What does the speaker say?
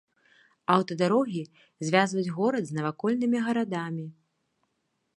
Аўтадарогі звязваюць горад з навакольнымі гарадамі.